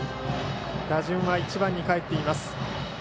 打順は１番にかえっています。